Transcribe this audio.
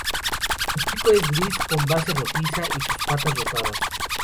Su pico es gris con base rojiza y sus patas rosadas.